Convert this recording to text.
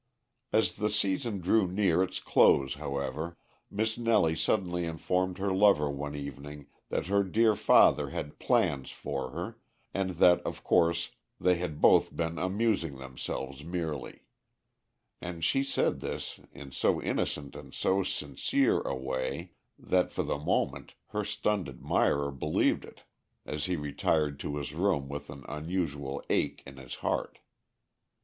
As the season drew near its close, however, Miss Nellie suddenly informed her lover one evening that her dear father had "plans" for her, and that of course they had both been amusing themselves merely; and she said this in so innocent and so sincere a way that for the moment her stunned admirer believed it as he retired to his room with an unusual ache in his heart.